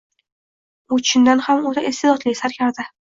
U chindan ham o‘ta iste’dodli sarkarda.